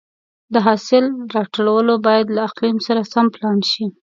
د حاصل راټولول باید له اقلیم سره سم پلان شي.